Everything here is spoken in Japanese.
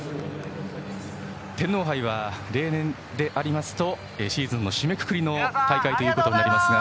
天皇杯は例年ですとシーズンの締めくくりの大会ということになりますが。